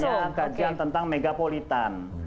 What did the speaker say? misalnya kajian tentang megapolitan